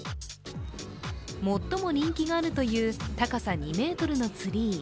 最も人気があるという高さ２ｍのツリー。